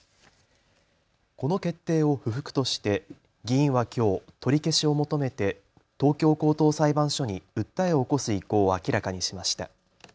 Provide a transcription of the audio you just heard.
この決定を不服として議員はきょう取り消しを求めて東京高等裁判所に訴えを起こす意向を明らかにしました。